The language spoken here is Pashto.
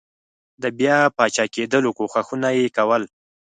د بیا پاچاکېدلو کوښښونه یې کول.